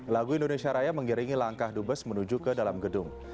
lagu indonesia raya mengiringi langkah dubes menuju ke dalam gedung